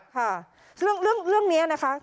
ค่ะเรื่องนี้นะคะ